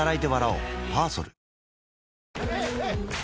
はい！